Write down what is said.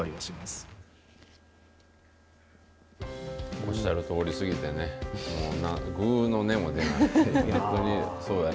おっしゃるとおり過ぎてもう、ぐうの音も出ない。